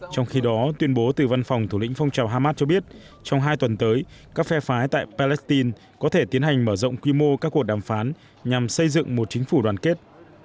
trong khi đó tuyên bố từ văn phòng thủ lĩnh phong trào hamas cho biết trong hai tuần tới các phe phái tại palestine có thể tiến hành mở rộng quy mô các cuộc đàm phán nhằm xây dựng một chính phủ đoàn kết